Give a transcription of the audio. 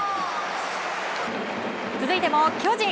続いても巨人。